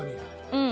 うん。